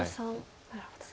なるほど。